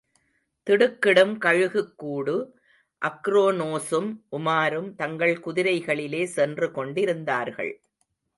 திடுக்கிடும் கழுகுக்கூடு அக்ரோனோஸும், உமாரும் தங்கள் குதிரைகளிலே சென்று கொண்டிருந்தார்கள்.